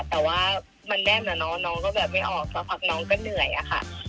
แต่ว่ามันแน่นอะเนาะน้องก็แบบไม่ออกสักพักน้องก็เหนื่อยอะค่ะ